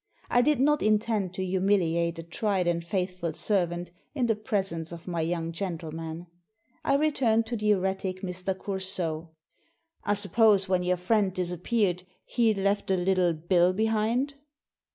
I did not intend to humiliate a tried and faithful servant in the presence of my young gentleman. I returned to the erratic Mr. Coursault " I suppose when your friend disappeared he left a little bill behind."